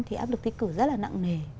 thì áp lực thi cử rất là nặng nề